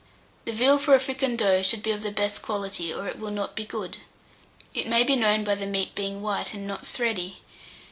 The veal for a fricandeau should be of the best quality, or it will not be good. It may be known by the meat being white and not thready.